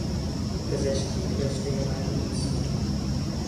پزشکی رشتهی من نیست.